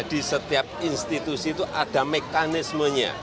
di setiap institusi itu ada mekanismenya